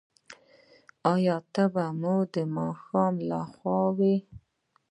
ایا تبه مو د ماښام لخوا وي؟